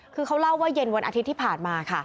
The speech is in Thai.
คือเขาเล่าว่าเย็นวันอาทิตย์ที่ผ่านมาค่ะ